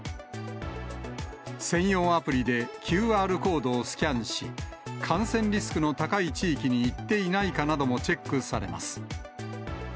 専用アプリでＱＲコードをスキャンし、感染リスクの高い地域に行っていないかなどもチェックされます。